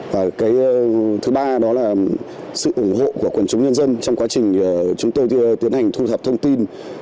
và cái thứ ba đó là sự ủng hộ của quần chúng nhân dân trong quá trình chúng tôi tiến hành thu thập thông tin